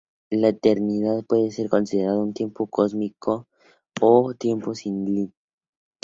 La "eternidad" puede ser considerada un tiempo cosmológico o un tiempo sin tiempo.